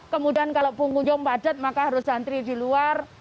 kemudian kalau punggung padat maka harus hantri di luar